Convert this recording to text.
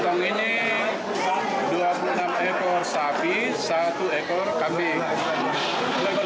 yang ini dua puluh enam ekor sapi satu ekor kambing